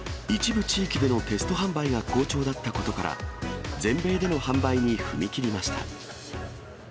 一部地域でのテスト販売が好調だったことから、全米での販売に踏み切りました。